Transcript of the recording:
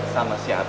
sama siapa itu